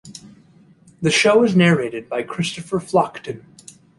The show is narrated by Christopher Flockton.